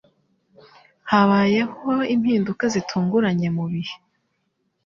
Habayeho impinduka zitunguranye mubihe.